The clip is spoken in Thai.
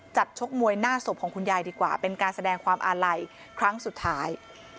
ชกมวยหน้าศพของคุณยายดีกว่าเป็นการแสดงความอาลัยครั้งสุดท้าย